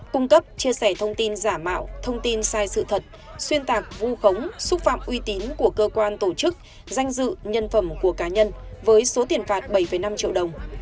cung cấp chia sẻ thông tin giả mạo thông tin sai sự thật xuyên tạc vu khống xúc phạm uy tín của cơ quan tổ chức danh dự nhân phẩm của cá nhân với số tiền phạt bảy năm triệu đồng